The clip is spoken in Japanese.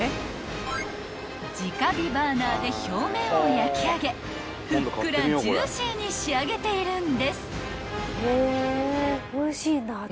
［直火バーナーで表面を焼き上げふっくらジューシーに仕上げているんです］